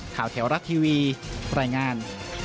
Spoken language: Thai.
ข่าวแถวรัตน์ทีวีแปรงงาน